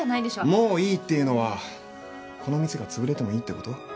もういいっていうのはこの店がつぶれてもいいってこと？